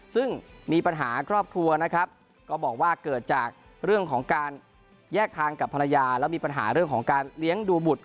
ซึ่งมีปัญหาครอบครัวนะครับก็บอกว่าเกิดจากเรื่องของการแยกทางกับภรรยาแล้วมีปัญหาเรื่องของการเลี้ยงดูบุตร